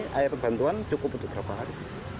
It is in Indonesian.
air bantuan cukup untuk berapa hari